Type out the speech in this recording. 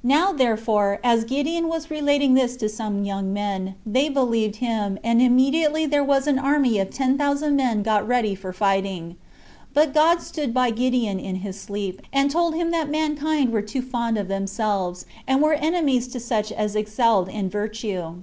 3. Now, therefore, as Gideon was relating this to some young men, they believed him, and immediately there was an army of ten thousand men got ready for fighting. But God stood by Gideon in his sleep, and told him that mankind were too fond of themselves, and were enemies to such as excelled in virtue.